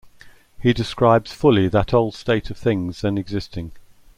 He describes fully that old state of things then existing.